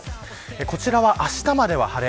こちらはあしたまでは晴れ。